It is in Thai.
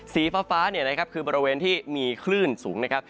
สีฟ้าเนี่ยนะครับคือบริเวณที่มีคลื่นสูงนะครับ